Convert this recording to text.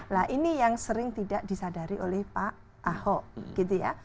nah ini yang sering tidak disadari oleh pak ahok gitu ya